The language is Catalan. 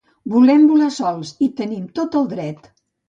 Volem volar sols, hi tenim tot el dret.